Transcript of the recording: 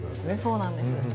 そうなんです。